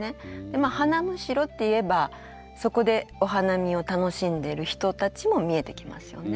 「花筵」っていえばそこでお花見を楽しんでる人たちも見えてきますよね。